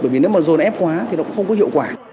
bởi vì nếu mà dồn ép quá thì nó cũng không có hiệu quả